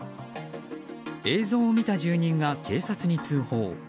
映像を見た住人が警察に通報。